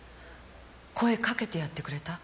声かけてやってくれた？